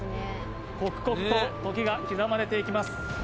刻々と時が刻まれていきます